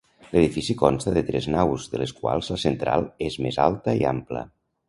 L'edifici consta de tres naus, de les quals la central és més alta i ampla.